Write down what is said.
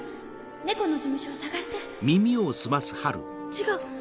猫の事務所を探して・違う！